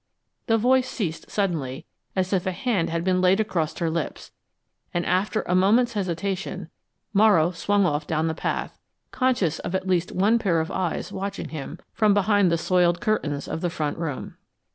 The voice ceased suddenly, as if a hand had been laid across her lips, and after a moment's hesitation, Morrow swung off down the path, conscious of at least one pair of eyes watching him from behind the soiled curtains of the front room.